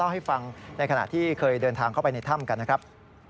ให้ฟังในขณะที่เคยเดินทางเข้าไปในถ้ำกันนะครับ